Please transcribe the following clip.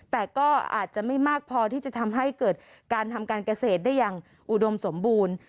แต่ก็อาจจะไม่มากพอที่จะทำให้เกิดการทำการเกษตรได้อย่างอุดมสมบูรณ์